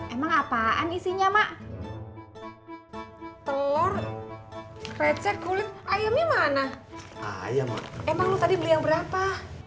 emang apaan isinya mak telur recet kulit ayamnya mana emang lo tadi beli yang berapa